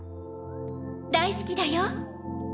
大好きだよ！